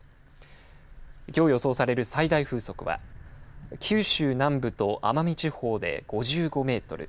きょう予想される最大風速は九州南部と奄美地方で５５メートル